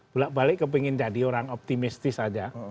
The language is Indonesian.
balik balik ke pengen jadi orang optimistis aja